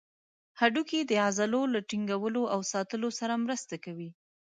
هډوکي د عضلو له ټینګولو او ساتلو سره مرسته کوي.